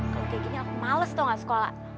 kalau kayak gini aku males tuh gak sekolah